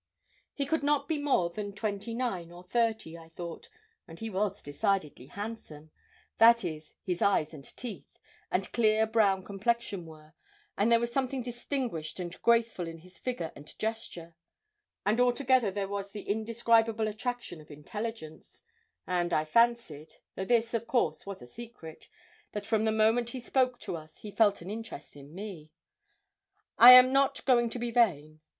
He could not be more than twenty nine or thirty, I thought, and he was decidedly handsome that is, his eyes and teeth, and clear brown complexion were and there was something distinguished and graceful in his figure and gesture; and altogether there was the indescribable attraction of intelligence; and I fancied though this, of course, was a secret that from the moment he spoke to us he felt an interest in me. I am not going to be vain.